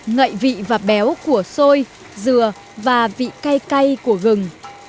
ngậy vị và béo của xôi dừa và vị cay cay của gừng